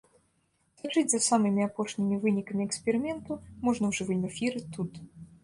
Сачыць за самымі апошнімі вынікамі эксперыменту можна ў жывым эфіры тут.